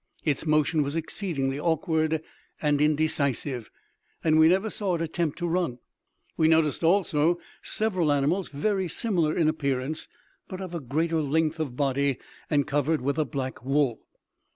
Its motion was exceedingly awkward and indecisive, and we never saw it attempt to run. We noticed also several animals very similar in appearance, but of a greater length of body, and covered with a black wool.